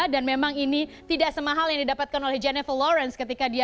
dan memang ini tidak semahal yang didapatkan oleh jennifer lawrence ketika dia